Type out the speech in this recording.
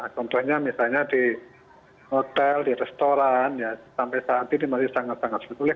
contohnya misalnya di hotel di restoran ya sampai saat ini masih sangat sangat sulit